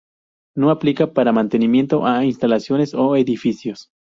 No aplica para mantenimiento a instalaciones o edificios.